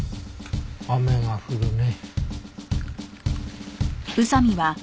雨が降るね。